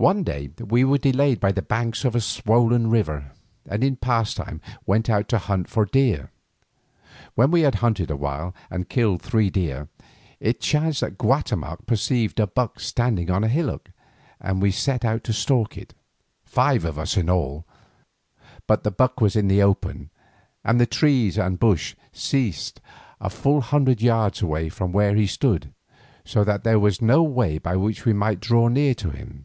One day we were delayed by the banks of a swollen river, and in pastime went out to hunt for deer. When we had hunted a while and killed three deer, it chanced that Guatemoc perceived a buck standing on a hillock, and we set out to stalk it, five of us in all. But the buck was in the open, and the trees and bush ceased a full hundred yards away from where he stood, so that there was no way by which we might draw near to him.